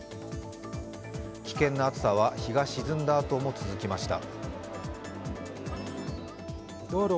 危険な暑さは日が沈んだあとも続きました。